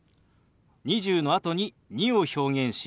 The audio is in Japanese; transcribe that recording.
「２０」のあとに「２」を表現し「２２」。